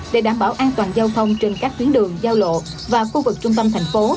để đảm bảo an toàn giao thông trên các tuyến đường giao lộ và khu vực trung tâm thành phố